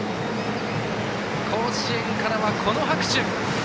甲子園からはこの拍手。